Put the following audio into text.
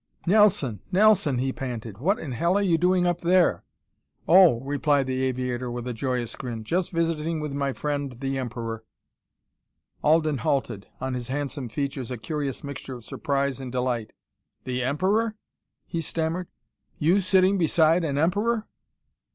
"Nelson! Nelson!" he panted. "What in hell are you doing up there?" "Oh!" replied the aviator with a joyous grin, "just visiting with my friend, the Emperor." Alden halted, on his handsome features a curious mixture of surprise and delight. "The Emperor?" he stammered. "You sitting beside an Emperor?"